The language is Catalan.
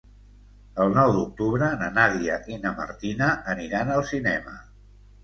El nou d'octubre na Nàdia i na Martina aniran al cinema.